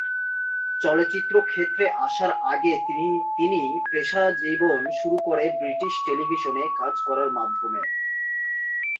চলচ্চিত্র ক্ষেত্রে আসার আগে তিনি পেশাজীবন শুরু করে ব্রিটিশ টেলিভিশনে কাজ করার মাধ্যমে।